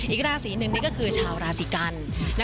อีกราศีหนึ่งนี่ก็คือชาวราศีกัน